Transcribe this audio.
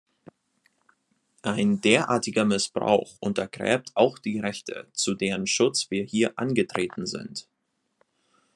Ein derartiger Missbrauch untergräbt auch die Rechte, zu deren Schutz wir hier angetreten sind.